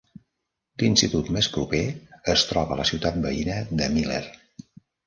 L'institut més proper es troba a la ciutat veïna de Miller.